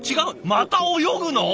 また泳ぐの？